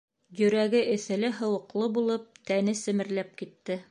Йөрәге эҫеле-һыуыҡлы булып, тәне семерләп китте: